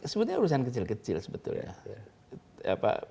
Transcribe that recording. sebetulnya urusan kecil kecil sebetulnya